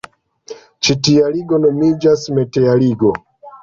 Ĉi tia ligo nomiĝas metala ligo.